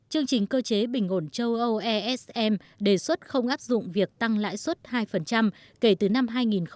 chương trình cơ chế bình ngồn châu âu esm đề xuất không áp dụng việc tăng lãi suất hai kể từ năm hai nghìn một mươi bảy